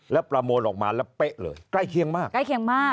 แล้วประโมนออกมาแล้วเป๊ะเลยใกล้เคียงมาก